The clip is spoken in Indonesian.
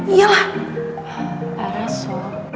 iya lah parah so